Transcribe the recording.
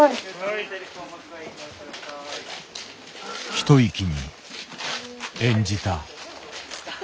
ひと息に演じた。